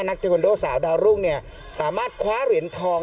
เทควันโดสาวดาวรุ่งเนี่ยสามารถคว้าเหรียญทอง